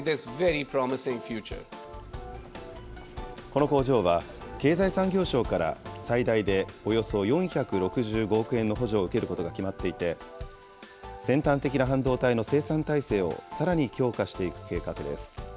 この工場は、経済産業省から最大でおよそ４６５億円の補助を受けることが決まっていて、先端的な半導体の生産体制をさらに強化していく計画です。